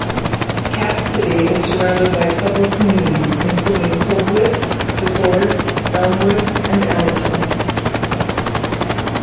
Cass City is surrounded by several communities including Colwood, Deford, Elmwood and Ellington.